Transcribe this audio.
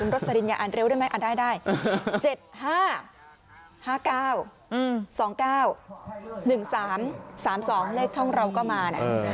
รสลินอย่าอ่านเร็วได้ไหมอ่านได้๗๕๕๙๒๙๑๓๓๒เลขช่องเราก็มานะ